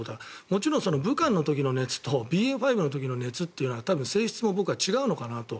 もちろん武漢の時の熱とＢＡ．５の時の熱は多分性質も僕は違うのかなと。